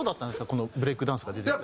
このブレイクダンスが出てきて。